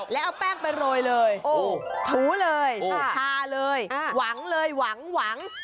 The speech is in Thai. แล้วเอาแป้งไปโรยเลยถูเลยทาเลยหวังเลยหวัง